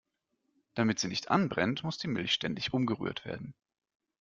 Damit sie nicht anbrennt, muss die Milch ständig umgerührt werden.